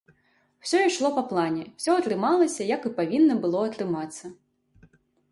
Усё ішло па плане, усё атрымалася, як і павінна было атрымацца.